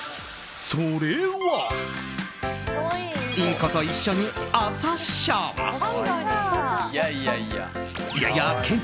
それは、インコと一緒に朝シャン。